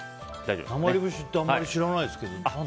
なまり節ってあまり知らないですけど。